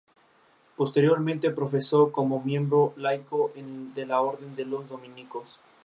Posteriormente profesó como miembro laico de la Orden de los dominicos.